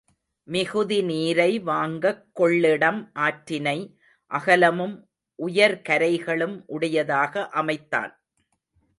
மிகுதி நீரை வாங்கக் கொள்ளிடம் ஆற்றினை அகலமும் உயர் கரைகளும் உடையதாக அமைத்தான்.